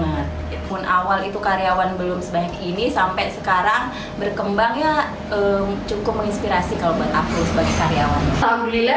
walaupun awal itu karyawan belum sebanyak ini sampai sekarang berkembangnya cukup menginspirasi kalau buat aku sebagai karyawan alhamdulillah